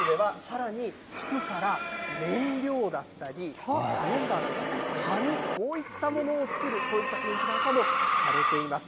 こちらの施設では、さらに服から燃料だったり、カレンダーなんかの紙、こういったものを作る、そういった展示なんかもされています。